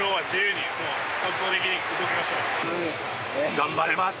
頑張ります。